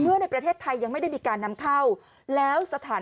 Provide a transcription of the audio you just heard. ในประเทศไทยยังไม่ได้มีการนำเข้าแล้วสถาน